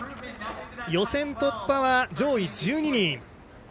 予選突破は上位１２人。